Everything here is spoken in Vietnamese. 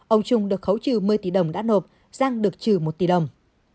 ông trung được khấu trừ một mươi tỷ đồng đắt hộp giang được trừ một tỷ đồng